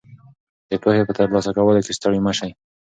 د پوهې په ترلاسه کولو کې ستړي مه ږئ.